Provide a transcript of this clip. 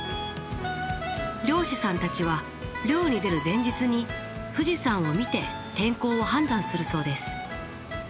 漁師さんたちは漁に出る前日に富士山を見て天候を判断するそうです。